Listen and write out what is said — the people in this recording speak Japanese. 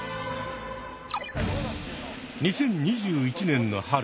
２０２１年の春